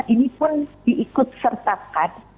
ini pun diikut sertakan